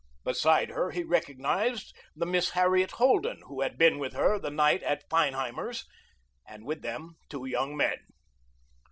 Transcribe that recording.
Beside her he recognized the Miss Harriet Holden who had been with her the night at Feinheimer's, and with them were two young men.